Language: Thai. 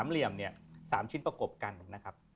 เหลี่ยมเนี่ย๓ชิ้นประกบกันนะครับ